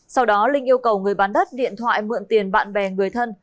sau đó linh yêu cầu người bán đất điện thoại mượn tiền bạn bè người thân